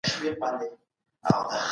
راتلونکي کي به اقتصادي وده نوره هم چټکه سي.